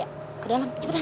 kita bisa melakukan tantor api